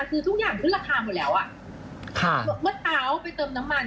คือทุกอย่างขึ้นราคาหมดแล้วอ่ะค่ะเมื่อเช้าไปเติมน้ำมัน